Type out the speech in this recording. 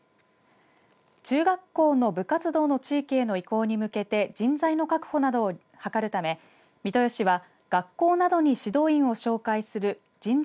中学校の部活動の地域への移行に向けて人材の確保などを図るため三豊市は学校などに指導員を紹介する人材